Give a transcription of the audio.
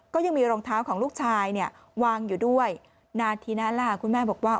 ก็ยังมีรองเท้าของลูกชายเนี่ยวางอยู่ด้วยนาทีนั้นล่ะคุณแม่บอกว่า